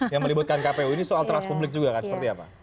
yang melibatkan kpu ini soal trust publik juga kan seperti apa